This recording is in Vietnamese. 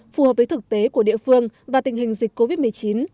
phù hợp với thực tế của địa phương và tình hình dịch covid một mươi chín